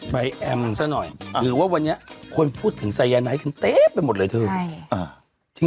แอมซะหน่อยหรือว่าวันนี้คนพูดถึงไซยาไนท์กันเต็มไปหมดเลยเถอะ